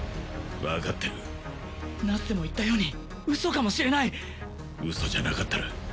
分かってるナッセも言ったように嘘かもしれない嘘じゃなかったら？